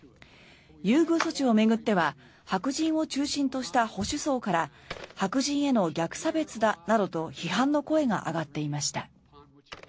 優遇措置を巡っては白人を中心とした保守層から白人への逆差別だなどと批判の声が上がっていました。